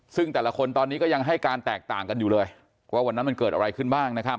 ซึ่งแต่ละคนตอนนี้ก็ยังให้การแตกต่างกันอยู่เลยว่าวันนั้นมันเกิดอะไรขึ้นบ้างนะครับ